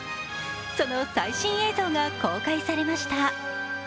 その最新映像が公開されました。